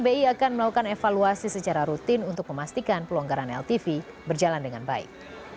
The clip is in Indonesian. bi akan melakukan evaluasi secara rutin untuk memastikan pelonggaran ltv berjalan dengan baik